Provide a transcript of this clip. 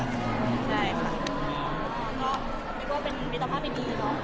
เออก็นิดนึงว่ามีตรงกล้าเป็นดีเลยเนาะ